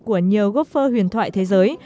của nhiều golfer huyền thoại thế giới